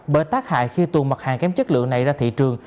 bởi tác hại khi tuần mặt hàng kém chất lượng này ra thị trường